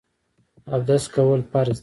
اودس کول فرض دي.